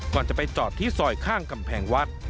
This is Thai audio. ก่อนจะไปจอดที่ซอยข้างกำแพงวัด